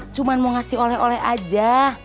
cuma mau ngasih oleh oleh aja